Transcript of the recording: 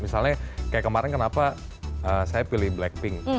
misalnya kayak kemarin kenapa saya pilih blackpink